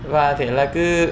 và thế là cứ